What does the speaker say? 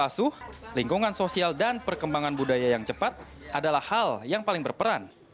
asuh lingkungan sosial dan perkembangan budaya yang cepat adalah hal yang paling berperan